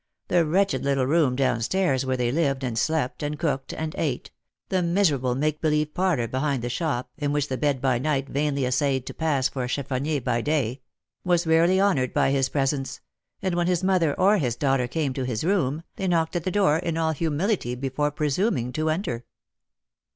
The wretched little room down stairs, where they lived, and slept, and cooked, and ate, — the miserable make believe parlour behind the shop, in which the bed by night vainly essayed to pass for a cheffonier by day, — was rarley honoured by his presence, and when his mother or his daughter came to his room, they knocked at the door in all humility before presuming to enter.